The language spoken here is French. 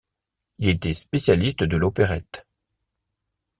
Il était spécialiste de l'opérette.